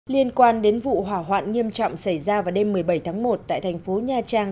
liên quan đến vụ hỏa hoạn nghiêm trọng xảy ra vào đêm một mươi bảy tháng một tại thành phố nha trang